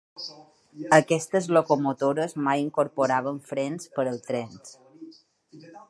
Aquestes locomotores mai incorporaven frens per als trens.